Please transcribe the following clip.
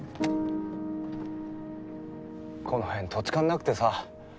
この辺土地勘なくてさ。